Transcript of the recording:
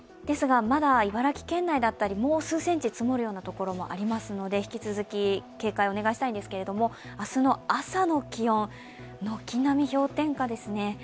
ですが、まだ茨城県内だったり、もう数センチ積もる所もありますので引き続き警戒をお願いしたいんですが明日の朝の気温、軒並み氷点下ですね。